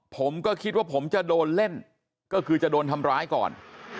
ผมก็คิดว่าผมจะโดนเล่นก็คือจะโดนทำร้ายก่อน